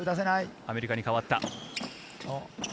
アメリカに変わった。